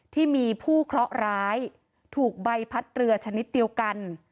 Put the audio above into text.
ที่มีผู้เคราะห์ร้ายถูกใบพัดเรือชนิดเดียวกัน